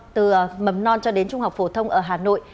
từ mầm non cho đến trung học phổ thông ở hà nội